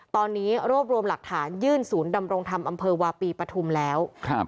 ตอนนี้รวบรวมหลักฐานยื่นศูนย์ดำรงธรรมอำเภอวาปีปฐุมแล้วครับ